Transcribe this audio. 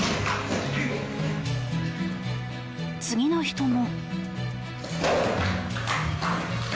次の人も。